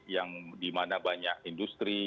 yang dimana banyak industri